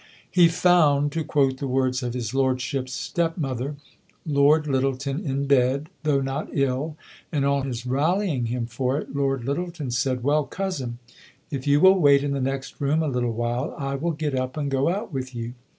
"He found," to quote the words of his lordship's stepmother, "Lord Lyttelton in bed, though not ill; and on his rallying him for it, Lord Lyttelton said: 'Well, cousin, if you will wait in the next room a little while, I will get up and go out with you.'